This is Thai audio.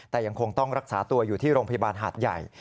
แต่ยังคงต้องรักษาตัวอยู่ที่โรงพยาบาลหาดใหญ่